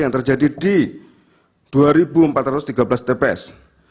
yang terjadi di dua empat ratus tiga belas tps